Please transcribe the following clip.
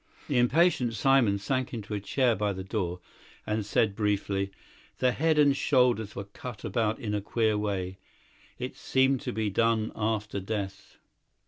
The impatient Simon sank into a chair by the door and said briefly: "The head and shoulders were cut about in a queer way. It seemed to be done after death."